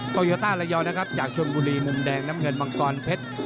โตโยต้าระยองนะครับจากชนบุรีมุมแดงน้ำเงินมังกรเพชร